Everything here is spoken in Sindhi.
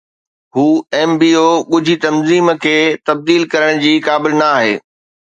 هو Mbo ڳجهي تنظيم کي تبديل ڪرڻ جي قابل نه آهي